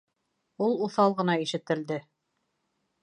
Ул уҫал ғына ишетелде.